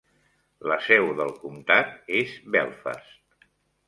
La seu del comtat és Belfast.